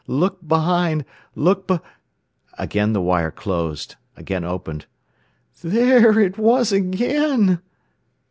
Look behind! Look beh '" Again the wire closed, again opened. "Theeeereit waaawas again!"